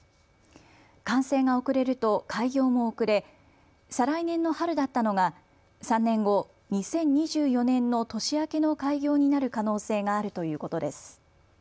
完成が遅れると開業も遅れ、再来年の春だったのが３年後、２０２４年の年明けの開業になる可能性があるということです。